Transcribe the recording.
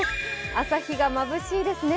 朝日がまぶしいですね。